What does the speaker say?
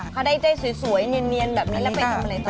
เขาได้ใจสวยเนียนแบบนี้แล้วไปทำอะไรต่อ